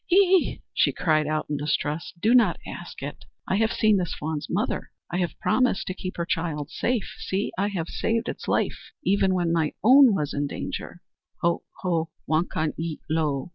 "Ye e e!" she cried out in distress. "Do not ask it! I have seen this fawn's mother. I have promised to keep her child safe. See! I have saved its life, even when my own was in danger." "Ho, ho, wakan ye lo!